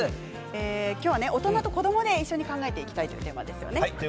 今日は大人と子どもで一緒に考えていきたいテーマですよね。